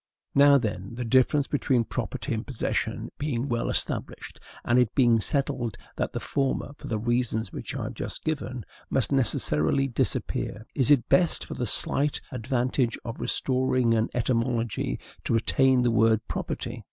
Now, then, the difference between property and possession being well established, and it being settled that the former, for the reasons which I have just given, must necessarily disappear, is it best, for the slight advantage of restoring an etymology, to retain the word PROPERTY?